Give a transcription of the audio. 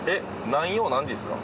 何曜何時ですか？